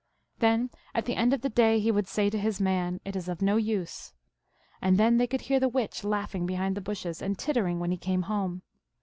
Then at the end of the day he would say to his man, i It is of no use. And then they could hear the witch laughing behind the bushes, and tittering when he came home.